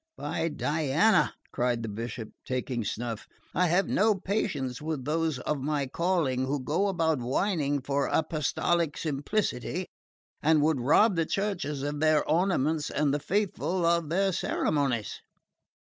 By Diana," cried the Bishop, taking snuff, "I have no patience with those of my calling who go about whining for apostolic simplicity, and would rob the churches of their ornaments and the faithful of their ceremonies.